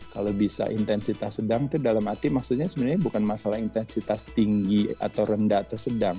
kalau bisa intensitas sedang itu dalam arti maksudnya sebenarnya bukan masalah intensitas tinggi atau rendah atau sedang